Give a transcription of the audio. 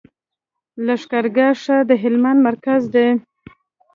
لښکر ګاه ښار د هلمند مرکز دی.